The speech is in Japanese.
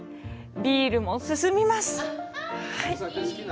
ビールも進みます。